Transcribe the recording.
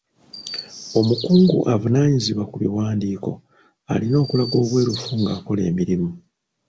Omukungu avunaanyizibwa ku biwandiiko alina okulaga obwerufu ng'akola emirimu.